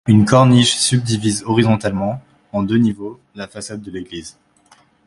Une corniche subdivise horizontalement, en deux niveaux, la façade de l'église.